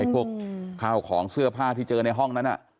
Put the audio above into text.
พวกข้าวของเสื้อผ้าที่เจอในห้องนั้น